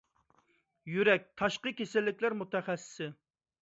يۈرەك تاشقى كېسەللىكلەر مۇتەخەسسىسى